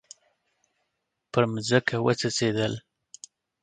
پر مځکه وڅڅیدل